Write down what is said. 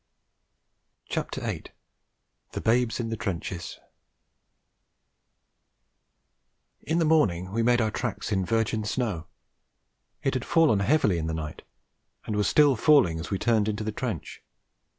THE BABES IN THE TRENCHES In the morning we made our tracks in virgin snow. It had fallen heavily in the night, and was still falling as we turned into the trench.